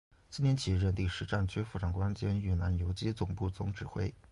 次年起任第十战区副长官兼豫南游击总部总指挥。